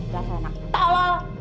susah dong ajar